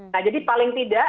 nah jadi paling tidak